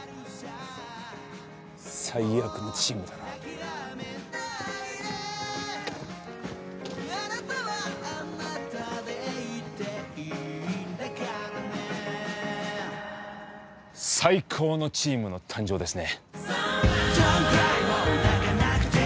最悪のチームだな最高のチームの誕生ですね